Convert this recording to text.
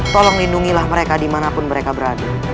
tolong lindungilah mereka dimanapun mereka berada